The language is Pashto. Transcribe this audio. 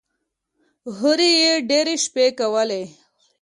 هورې يې ډېرې شپې کولې.